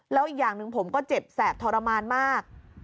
แล้วอีกอย่างหนึ่งผมก็เจ็บแสบทรมานมาก